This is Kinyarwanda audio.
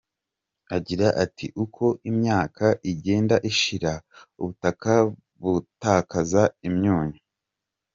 Agira ati “Uko imyaka igenda ishira, ubutaka butakaza imyunyu.